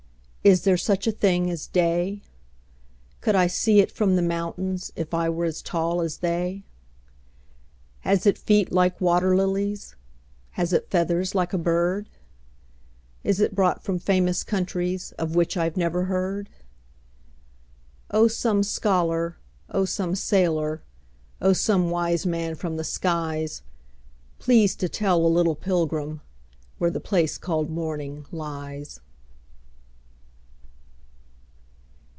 Is there such a thing as day? Could I see it from the mountainsIf I were as tall as they? Has it feet like water lilies? Has it feathers like a bird? Is it brought from famous countriesOf which I 've never heard? Oh some scholar, oh some sailor, Oh some wise man from the skies, Please to tell a little pilgrimWhere the place called morning lies.